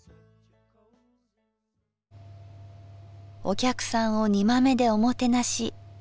お客さんを煮豆でおもてなし。